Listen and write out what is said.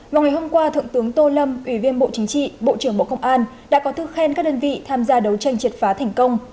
vào ngày hôm qua thượng tướng tô lâm ủy viên bộ chính trị bộ trưởng bộ công an đã có thư khen các đơn vị tham gia đấu tranh triệt phá thành công